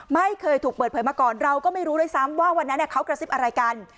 ไม่เคยถูกเปิดเผยมาก่อนเราก็ไม่รู้ด้วยซ้ำว่าวันนั้นเขากระซิบอะไรกัน